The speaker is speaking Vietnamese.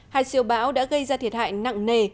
hai siêu bão đã gây ra thiệt hại nặng nề